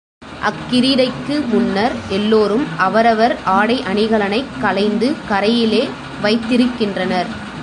அக்கிரீடைக்கு முன்னர் எல்லோரும் அவரவர் ஆடை அணிகளைக் களைந்து கரையிலே வைத்திருக்கின்றனர்.